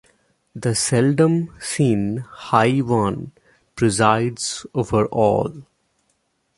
The seldom-seen High One presides over all.